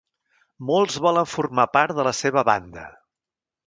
Molts volen formar part de la seva banda.